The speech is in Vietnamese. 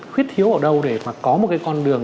khuyết thiếu ở đâu để mà có một cái con đường